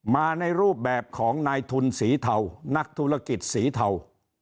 มาในรูปแบบของนายทุนสีเทานักธุรกิจสีเทา